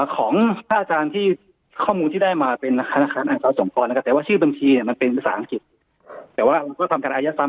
ของพระอาจารย์ที่ข้อมูลที่ได้มาเป็นธนาคารอาจารย์สมพรแต่ว่าชื่อบัญชีมันเป็นสามกฤษ